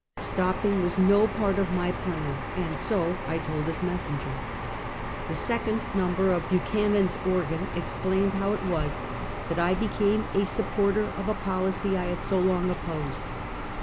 Stopping was no part of my plan, and so I told his messenger. The second number of Buchanan's organ explained how it was that I became a supporter of a policy I had so long opposed.